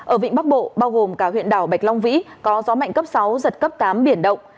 ở vịnh bắc bộ bao gồm cả huyện đảo bạch long vĩ có gió mạnh cấp sáu giật cấp tám biển động